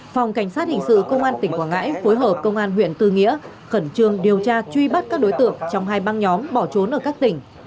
phòng cảnh sát hình sự công an tỉnh quảng ngãi phối hợp công an huyện tư nghĩa khẩn trương điều tra truy bắt các đối tượng trong hai băng nhóm bỏ trốn ở các tỉnh